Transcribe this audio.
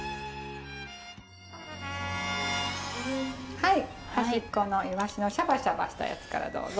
はい端っこのイワシのシャバシャバしたやつからどうぞ。